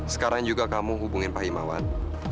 sekarang juga kamu hubungin pak himawan